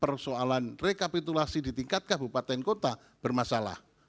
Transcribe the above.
persoalan rekapitulasi di tingkat kabupaten kota bermasalah